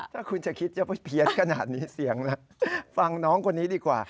ถ้าคุณจะคิดจะไปเพี้ยนขนาดนี้เสียงนะฟังน้องคนนี้ดีกว่า